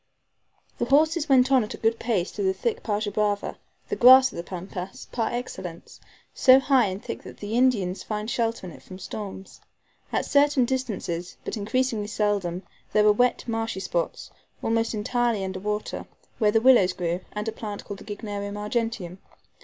The horses went on at a good pace through the thick PAJA BRAVA, the grass of the Pampas, par excellence, so high and thick that the Indians find shelter in it from storms. At certain distances, but increasingly seldom, there were wet, marshy spots, almost entirely under water, where the willows grew, and a plant called the Gygnerium argenteum.